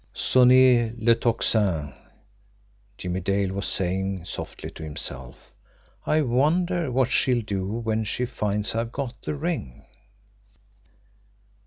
"SONNEZ LE TOCSIN," Jimmie Dale was saying softly to himself. "I wonder what she'll do when she finds I've got the ring?"